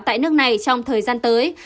tại nước này trong thời gian tới